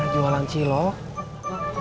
tapi perubahannya belum kelihatan